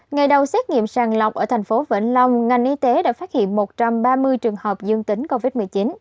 ngày đầu xét nghiệm sàng lọc ở thành phố vĩnh long ngành y tế đã phát hiện một trăm ba mươi trường hợp dương tính covid một mươi chín